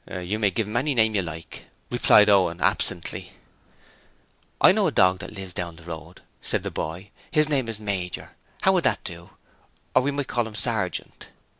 'You may give him any name you like,' replied Owen, absently. 'I know a dog that lives down the road,' said the boy, 'his name is Major. How would that do? Or we might call him Sergeant.'